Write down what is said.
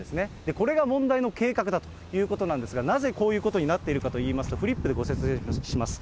これが問題の計画だということなんですが、なぜこういうことになっているかと言いますと、フリップでご説明します。